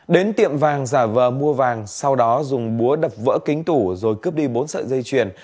đến tiệm vàng giả vờ mua vàng sau đó dùng búa đập vỡ kính tủ rồi cướp đi bốn sợi dây chuyền